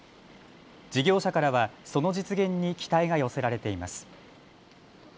事業者からはその実現に期待が寄せられています。